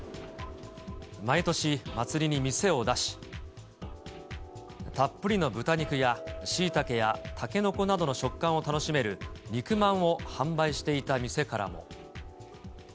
毎年、祭りに店を出し、たっぷりの豚肉やシイタケやタケノコなどの食感を楽しめる肉まんを販売していた店からも。